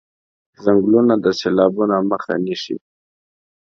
ځنګلونه د سېلابونو مخه نيسي.